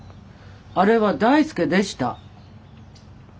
あれは大輔でした。